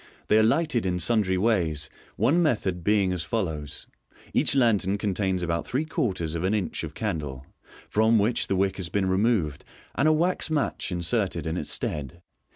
They are lighted in sundry ways, one method being as follows :— Each lantern contains about three quarters of an inch of 396 MODERN MAGIC candle, from which the wick has been removed, and a wax match inserted in its stead.